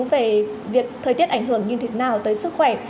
về việc thời tiết ảnh hưởng như thế nào tới sức khỏe